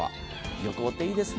旅行っていいですね。